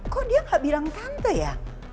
kok dia gak bilang santai ya